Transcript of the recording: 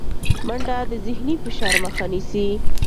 منډه د ذهني فشار مخه نیسي